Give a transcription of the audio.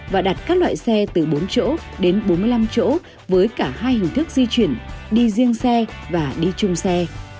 và đặt các loại xe từ bốn chỗ đến bốn mươi năm chỗ với cả hai hình thức di chuyển đi riêng xe và đi chung xe